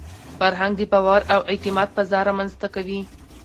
فرهنګ د باور او اعتماد فضا رامنځته کوي.